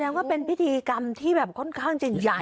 ว่าเป็นพิธีกรรมที่แบบค่อนข้างจะใหญ่